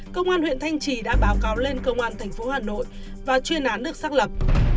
công an huyện thanh trì đã báo cáo lên công an thành phố hà nội và chuyên án được xác lập